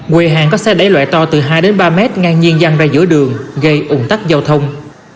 quệ hàng có xe đáy loại to từ hai đến ba mét ngang nhiên dăng ra giữa đường gây ủng tắc giao thông